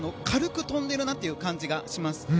軽く跳んでいるなという感じがします。